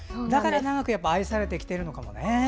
だから長く愛されてきてるのかもね。